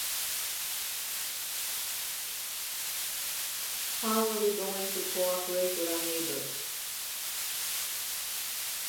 How are we going to co-operate with our neighbours?